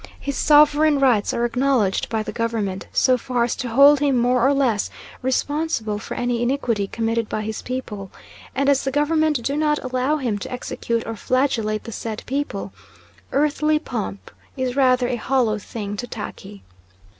His sovereign rights are acknowledged by the Government so far as to hold him more or less responsible for any iniquity committed by his people; and as the Government do not allow him to execute or flagellate the said people, earthly pomp is rather a hollow thing to Tackie.